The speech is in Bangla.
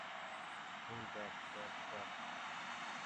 হেই দেখ, দেখ, দেখ!